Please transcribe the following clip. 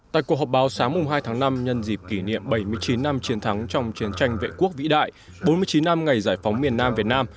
tại cuộc họp báo sáng hai tháng năm nhân dịp kỷ niệm bảy mươi chín năm chiến thắng trong chiến tranh vệ quốc vĩ đại bốn mươi chín năm ngày giải phóng miền nam việt nam